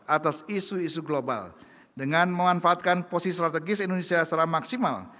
atas isu isu global dengan memanfaatkan posisi strategis indonesia secara maksimal